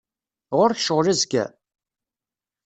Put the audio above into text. Ɣur-k ccɣel azekka?